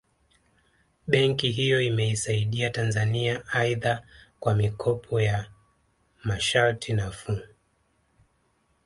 Benki hiyo imeisaidia Tanzania aidha kwa mikopo ya masharti nafuu